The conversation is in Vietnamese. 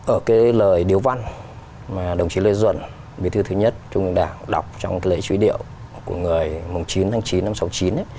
ở cái lời điếu văn mà đồng chí lê duẩn bí thư thứ nhất chúng mình đã đọc trong cái lễ chú ý điệu của người chín tháng chín năm sáu mươi chín ấy